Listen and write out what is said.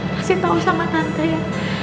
pastiin tau sama tante ya